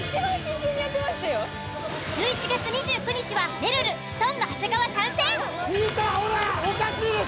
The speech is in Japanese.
１１月２９日はめるるシソンヌ長谷川参戦。